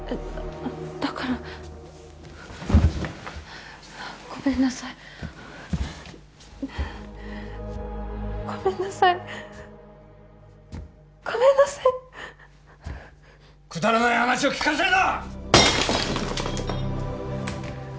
だからごめんなさいごめんなさいごめんなさいっくだらない話を聞かせるな！